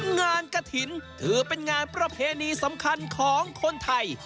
งานกระถิ่นถือเป็นงานประเพณีสำคัญของคนไทย